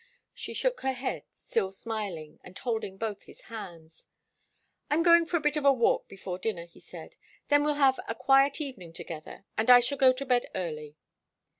She shook her head, still smiling, and holding both his hands. "I'm going for a bit of a walk before dinner," he said. "Then we'll have a quiet evening together, and I shall go to bed early."